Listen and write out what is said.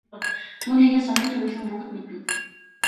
Түүнийг нь сумын төвийнхөн бүгд мэднэ.